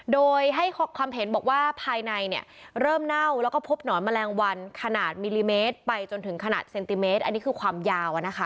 โดยให้ความเห็นบอกว่าภายในเนี่ยเริ่มเน่าแล้วก็พบหนอนแมลงวันขนาดมิลลิเมตรไปจนถึงขนาดเซนติเมตรอันนี้คือความยาว